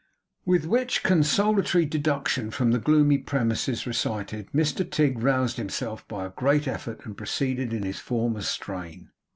With which consolatory deduction from the gloomy premises recited, Mr Tigg roused himself by a great effort, and proceeded in his former strain.